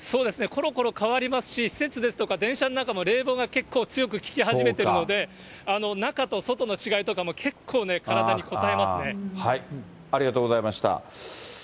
ころころ変わりますし、施設ですとか、電車の中も冷房が結構強く効き始めてるので、中と外の違いとかもありがとうございました。